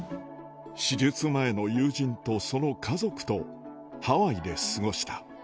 手術前の友人とその家族と、ハワイで過ごした。